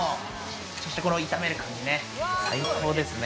そして、この炒める感じね、最高ですね。